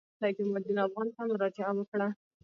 سید جمال الدین افغاني ته مراجعه وکړه.